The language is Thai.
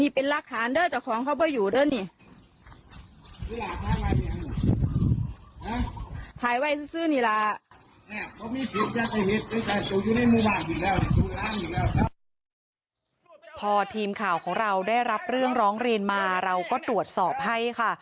พอทีมข่าวของเราได้รับเรื่องร้องเรียนมาเราก็ตรวจสอบให้ค่ะ